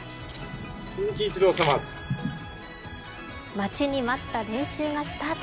待ちに待った練習がスタート。